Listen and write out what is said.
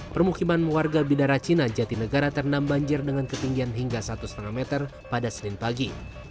permukiman warga bidara cina jatinegara terendam banjir dengan ketinggian hingga satu lima meter pada senin pagi